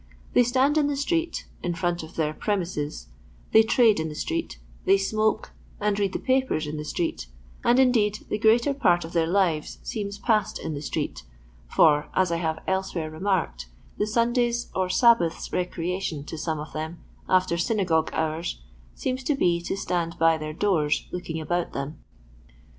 They stand in the street (in front of their premises), they trade in the street, they smoke and read the papers in the street ; and indeed the greater part of their lives seems passed in the street, for, as I have elsewhere remarked, the Saturday's or Sabbath's recreation to some of them, after synagogue hours, seems to be to stand by their doors looking about them.